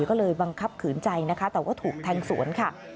ก็เลยบังคับขืนใจนะคะแต่ว่าถูกแทงสวนค่ะ